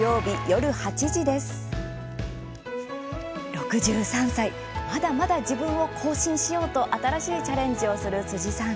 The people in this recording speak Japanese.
６３歳、まだまだ自分を更新しようと新しいチャレンジをする辻さん。